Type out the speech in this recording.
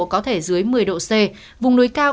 có thể dưới một mươi độ c vùng núi cao